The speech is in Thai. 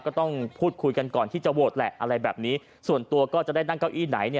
ก็ต้องพูดคุยกันก่อนที่จะโหวตแหละอะไรแบบนี้ส่วนตัวก็จะได้นั่งเก้าอี้ไหนเนี่ย